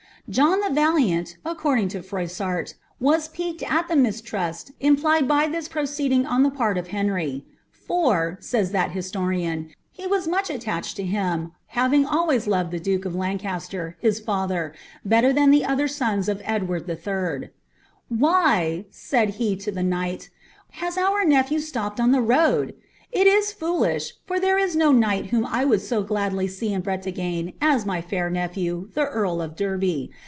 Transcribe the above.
John the Valiant, according to Froissart, was piqued at the mistrust ioiplied by this proceeding on the part of Henry ;^ for,'' says that his tonan, ^ he was much attached to him, having always loved the duke of Lancaster, his fiither, better than the other sons of Edward HI. ^ Why,' Mud he to the knight, ^ has our nephew stopped on the road ? It is fool irii, for there is no knight whom I would so gladly see in Bretagne as my lair nephew, the eui of Derby.